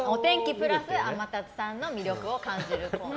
プラス天達さんの魅力を感じるコーナー。